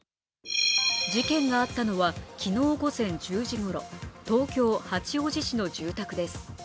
事件があったのは、昨日午前１０時ごろ、東京・八王子市の住宅です。